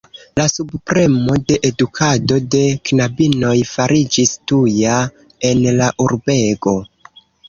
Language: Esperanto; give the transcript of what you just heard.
La subpremo de edukado de knabinoj fariĝis tuja en la urbego.